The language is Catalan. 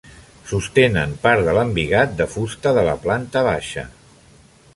Sostenen part de l'embigat de fusta de la planta baixa.